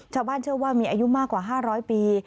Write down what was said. ชาวบ้านเชื่อว่ามีอายุมากกว่า๕๐๐ปี